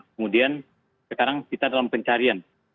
kemudian sekarang kita dalam pencarian